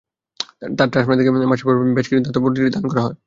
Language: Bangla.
তার ট্রাস্ট ফান্ড থেকে মাসের পর মাস বেশ কিছু দাতব্য প্রতিষ্ঠানে দান করা হয়।